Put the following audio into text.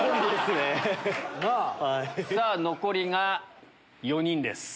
さぁ残りが４人です。